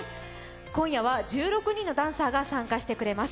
今夜は１６人のダンサーが参加してくれます。